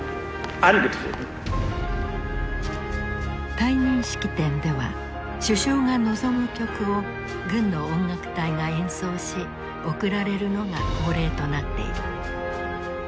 退任式典では首相が望む曲を軍の音楽隊が演奏し送られるのが恒例となっている。